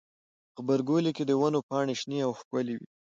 غبرګولی کې د ونو پاڼې شنې او ښکلي وي.